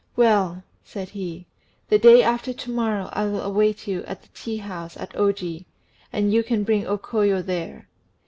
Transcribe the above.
"Well," said he, "the day after to morrow I will await you at the tea house at Oji, and you can bring O Koyo there.